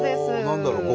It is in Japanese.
何だろう？